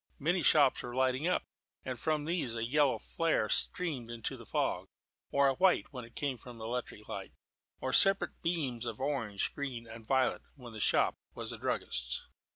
Many shops were lighting up, and from these a yellow flare streamed into the fog; or a white when it came from the electric light; or separate beams of orange, green, and violet, when the shop was a druggist's.